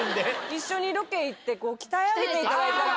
一緒にロケ行って、鍛え上げていただいたら。